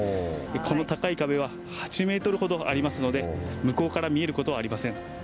この高い壁は８メートルほどありますので、向こうから見えることはありません。